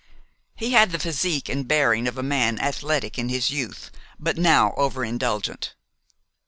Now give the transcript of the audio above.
He had the physique and bearing of a man athletic in his youth but now over indulgent.